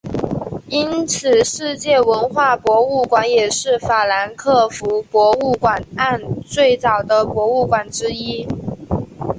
因此世界文化博物馆也是法兰克福博物馆岸最早的博物馆之一。